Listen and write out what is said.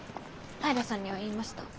平さんには言いました。